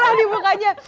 udah merah di mukanya